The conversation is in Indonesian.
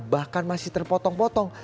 bahkan masih terpotong potong